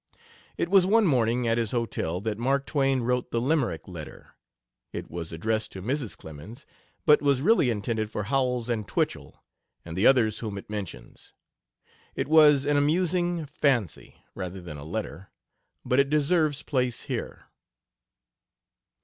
It was one morning, at his hotel, that Mark Twain wrote the Limerick letter. It was addressed to Mrs. Clemens, but was really intended for Howells and Twichell and the others whom it mentions. It was an amusing fancy, rather than a letter, but it deserves place here.